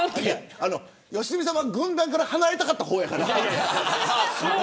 良純さんは軍団から離れたかった方やから。